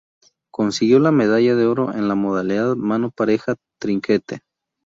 Consiguió la medalla de oro en la modalidad mano pareja trinquete.